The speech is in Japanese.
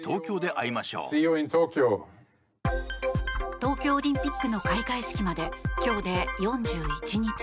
東京オリンピックの開会式まで今日で４１日。